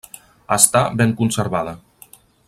Està ben conservada.